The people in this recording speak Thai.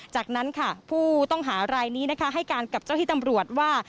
จากนั้นผู้ต้องหารายนี้ให้การกับเจ้าหิตำรวจว่า